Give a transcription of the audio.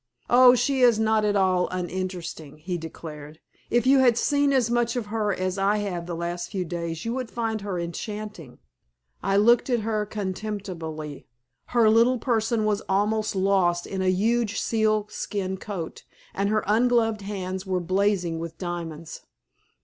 "Oh, she is not at all uninteresting," he declared. "If you had seen as much of her as I have the last few days you would find her enchanting." I looked at her contemplatively. Her little person was almost lost in a huge sealskin coat, and her ungloved hands were blazing with diamonds.